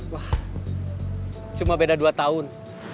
wah cuma beda dua tahun